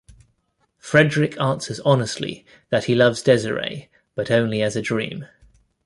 Fredrik answers honestly that he loves Desiree, but only as a dream.